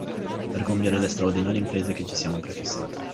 Per compiere le straordinarie imprese che ci siamo prefissati